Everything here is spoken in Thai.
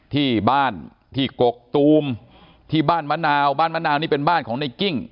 ที่บ้านที่กกตูมที่บ้านมะนาวบ้านมะนาวนี่เป็นบ้านของในกิ้ง